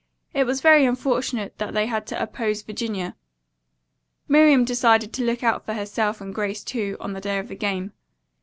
It was very unfortunate that they had to oppose Virginia. Miriam determined to look out for herself and Grace, too, on the day of the game.